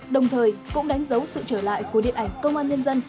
đồng thời cũng đánh dấu sự trở lại của điện ảnh công an nhân dân